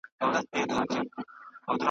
ځوانان کرکټ خوښوي.